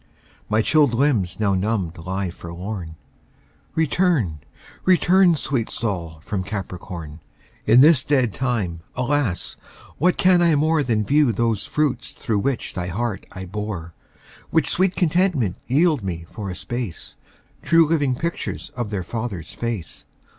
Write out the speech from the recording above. My chilled limbs now numbed lie forlorn; Return; return, sweet Sol, from Capricorn; In this dead time, alas, what can I more Than view those fruits which through thy heart I bore? Which sweet contentment yield me for a space, True living pictures of their father's face.